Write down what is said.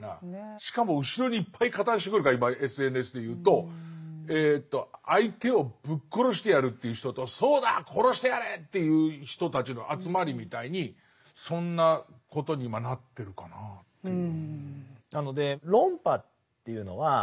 しかも後ろにいっぱい加担してくるから今ＳＮＳでいうと「相手をぶっ殺してやる」という人と「そうだ殺してやれ」っていう人たちの集まりみたいにそんなことに今なってるかなあっていう。